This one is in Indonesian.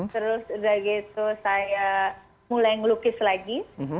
terus udah gitu saya mulai ngelukis lagi